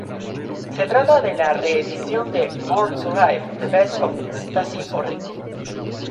Se trata de la re-edición de "More to Life: The Best of Stacie Orrico".